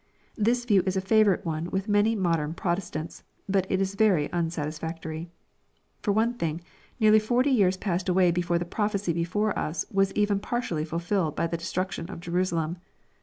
This view is a favorite one with many modern Protestants, but it is very unsatisfactory. For one thing, nearly forty years passed away before the prophecy before us was even partially ful filled by the destruction of Jerusalem.